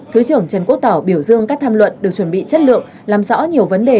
thứ trưởng trần quốc tỏ biểu dương các tham luận được chuẩn bị chất lượng làm rõ nhiều vấn đề